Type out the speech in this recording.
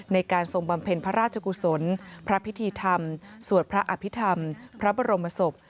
ทรงบำเพ็ญพระราชกุศลพระพิธีธรรมสวดพระอภิษฐรรมพระบรมศพ